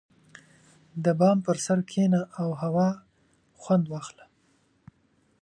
• د بام پر سر کښېنه او هوا خوند واخله.